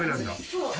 そう。